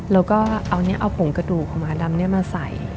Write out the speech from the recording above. แล้วก็เอาผงกระดูกของหมาดำมาใส่